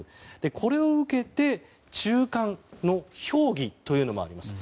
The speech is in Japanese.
これを受けて中間の評議というのもあるんです。